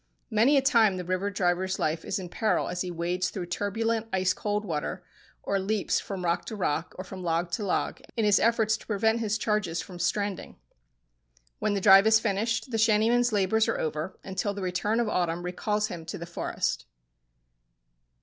Many a time the river driver's life is in peril as he wades through the turbulent, ice cold water, or leaps from rock to rock, or from log to log, in his efforts to prevent his charges from stranding. When the drive is finished the shantyman's labours are over, until the return of autumn recalls him to the forest.